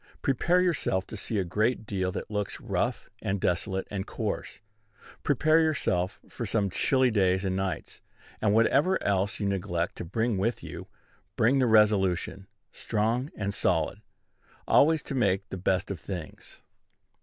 Prepare yourself to see a great deal that looks rough and desolate and coarse; prepare yourself for some chilly days and nights; and, whatever else you neglect to bring with you, bring the resolution, strong and solid, always to make the best of things.